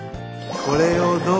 これをどうぞ。